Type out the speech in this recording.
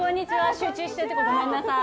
集中してるとこごめんなさい。